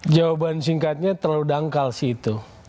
jawaban singkatnya terlalu dangkal sih itu